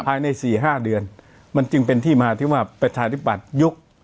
ภายใน๔๕เดือนมันจึงเป็นที่มาที่ว่าประชาธิปัตยุบ